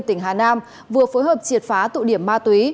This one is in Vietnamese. tỉnh hà nam vừa phối hợp triệt phá tụ điểm ma túy